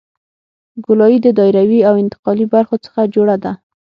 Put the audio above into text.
ګولایي د دایروي او انتقالي برخو څخه جوړه ده